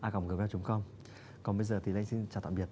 còn bây giờ thì anh xin chào tạm biệt